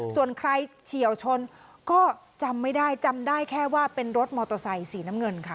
ส่วนใครเฉียวชนก็จำไม่ได้จำได้แค่ว่าเป็นรถมอเตอร์ไซค์สีน้ำเงินค่ะ